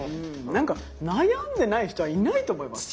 何か悩んでない人はいないと思いますよ。